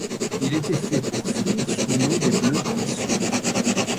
Il était fait pour fuir sous l’eau des bleus ruisseaux.